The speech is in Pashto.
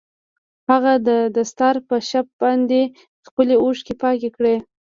هغه د دستار په شف باندې خپلې اوښکې پاکې کړې.